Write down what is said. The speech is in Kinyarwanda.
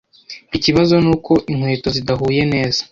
Ikibazo nuko inkweto zidahuye neza.